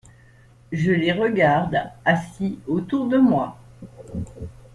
Je les regarde, assis autour de moi.